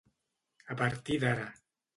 A partir d'ara.